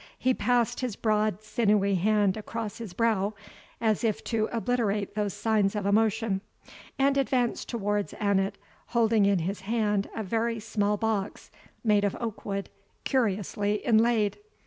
He passed his broad sinewy hand across his brow, as if to obliterate these signs of emotion, and advanced towards Annot, holding in his hand a very small box made of oakwood, curiously inlaid.